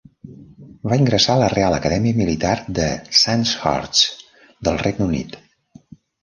Va ingressar en la Real Acadèmia Militar de Sandhurst del Regne Unit.